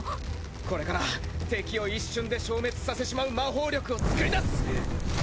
これから敵を一瞬で消滅させちまう魔法力を作り出す。